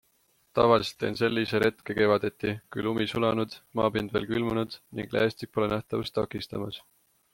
Tavaliselt teen sellise retke kevadeti, kui lumi sulanud, maapind veel külmunud ning lehestik pole nähtavust takistamas.